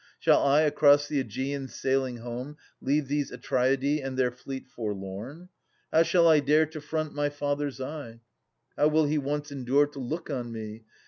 Shall I, across the Aegean sailing home. Leave these Atreidae and their fleet forlorn? How shall I dare to front my father's eye? How will he once endure to look on me.